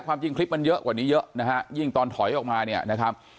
ความจริงคลิปมันเยอะกว่านี้เยอะนะฮะยิ่งตอนถอยออกมาเนี่ยนะครับ